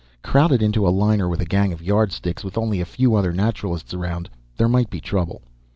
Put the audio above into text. Crowded into a liner with a gang of Yardsticks, with only a few other Naturalists around, there might be trouble.